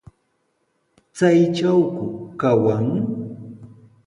¿Chaytrawku kawan?